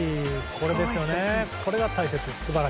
これが大切です。